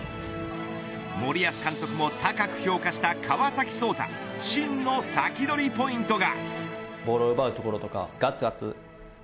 森保監督も高く評価した川崎颯太真のサキドリポイントが。